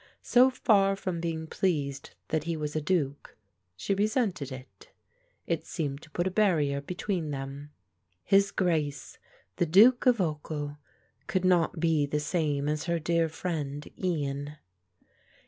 So far from being pleased that he was a duke, she resented it. It seemed to put a barrier between them; his Grace, the Duke of Ochil, could not be the same as her dear friend Ian.